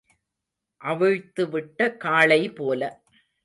அவிழ்த்து விட்ட காளை போல.